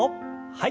はい。